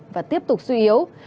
và tiếp tục suy yếu